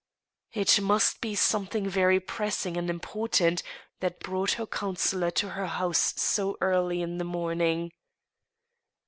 • It must be something very pressing and important that brought her counselor to her house so early in the morning.